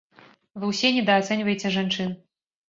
Вы ўсе недаацэньваеце жанчын!